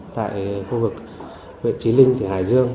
tại khu vực huyện chí linh hải dương